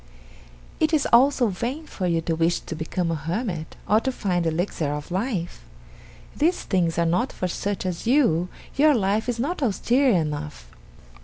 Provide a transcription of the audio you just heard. "It is also vain for you to wish to become a hermit, or to find the Elixir of Life. These things are not for such as you your life is not austere enough.